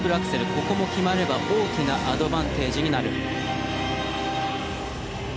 ここも決まれば大きなアドバンテージになる。